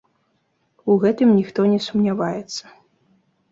У гэтым ніхто не сумняваецца.